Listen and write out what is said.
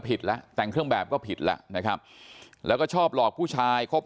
แล้วแต่งเครื่องแบบก็ผิดแล้วนะครับแล้วก็ชอบหลอกผู้ชายคบ